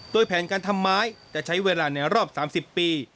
โดยแผนการทำไม้จะใช้เวลาในรอบ๓๐ปี